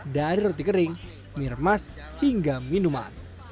dari roti kering mirmas hingga minuman